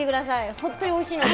本当においしいので。